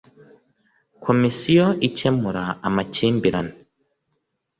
komisiyo icyemura amakimbirane .